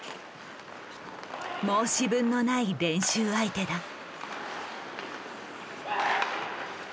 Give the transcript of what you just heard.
申し分のない練習相手だ。